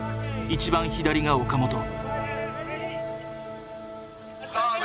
一番左が岡本。